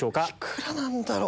幾らなんだろう？